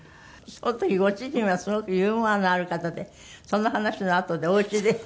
その時ご主人はすごくユーモアのある方でその話のあとでおうちで。